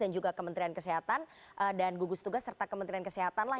dan juga kementerian kesehatan dan gugus tugas serta kementerian kesehatan lah